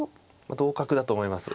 同角だと思います。